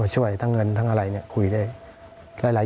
พอเจ้าลักษัพครับ